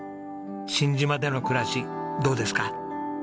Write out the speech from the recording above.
新島での暮らしどうですか？